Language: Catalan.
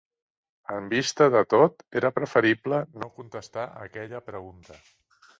En vista de tot, era preferible no contestar aquella pregunta.